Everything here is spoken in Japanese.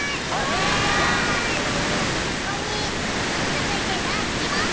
つづいてだい２もん。